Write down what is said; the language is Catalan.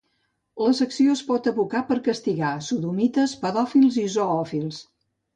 La secció es pot evocar per castigar sodomites, pedòfils i zoòfils.